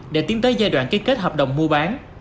để tiến tới giai đoạn ký kết hợp đồng mua bán